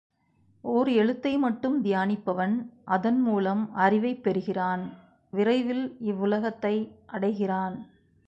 ஓர் எழுத்தை மட்டும் தியானிப்பவன், அதன் மூலம் அறிவைப் பெறுகிறான் விரைவில் இவ்வுலகத்தை அடைகிறான்.